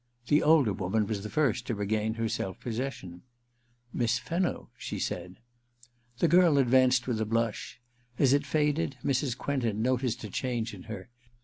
The older woman was the first to regain her self possession. * Miss Fenno !' she said. The girl advanced with a blush. As it faded, Mrs. Quentin noticed a change in her.